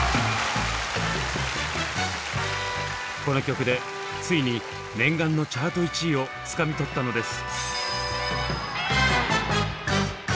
この曲でついに念願のチャート１位をつかみ取ったのです。